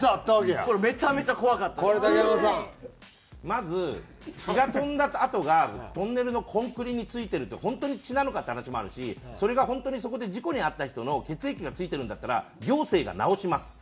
まず血が飛んだ跡がトンネルのコンクリに付いてるって本当に血なのかって話もあるしそれが本当にそこで事故に遭った人の血液が付いてるんだったら行政が直します。